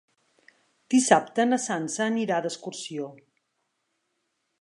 Dissabte na Sança anirà d'excursió.